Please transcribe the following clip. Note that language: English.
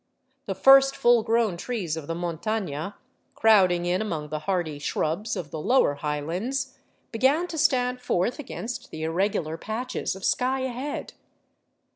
The first full grown trees of the montaiia, crowding in among the hardy shrubs of the lower high lands, began to stand forth against the irregular patches of sky ahead.